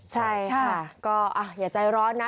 ใช่ค่ะก็อย่าใจร้อนนะ